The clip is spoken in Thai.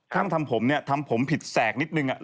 ข้างทำผมเนี่ยทำผมผิดแสกนิดหนึ่งอะ